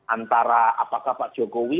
antara apakah pak jokowi